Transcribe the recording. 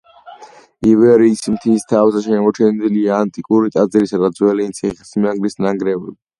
ივერიის მთის თავზე შემორჩენილია ანტიკური ტაძრისა და ძველი ციხესიმაგრის ნანგრევები.